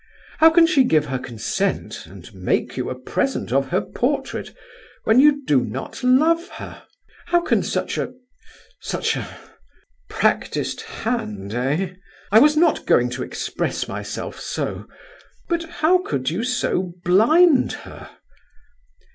How can she give her consent and make you a present of her portrait when you do not love her? How can such a—such a—" "Practised hand—eh?" "I was not going to express myself so. But how could you so blind her?"